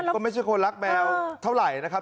ก็ไม่ใช่คนรักแมวเท่าไหร่นะครับ